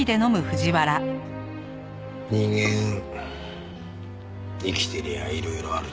人間生きてりゃいろいろあるな。